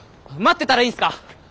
待ってたらいいんすか？